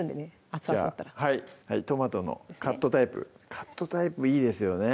熱々だったらはいトマトのカットタイプカットタイプもいいですよね